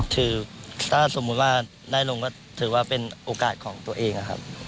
คือถ้าสมมุติว่าได้ลงก็ถือว่าเป็นโอกาสของตัวเองครับ